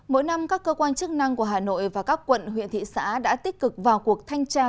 mỗi năm các cơ quan chức năng của hà nội và các quận huyện thị xã đã tích cực vào cuộc thanh tra